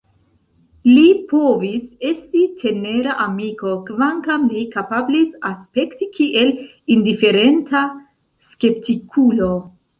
Li povis esti tenera amiko, kvankam li kapablis aspekti kiel indiferenta skeptikulo.